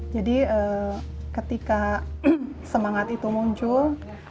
jadi ketika semangat itu muncul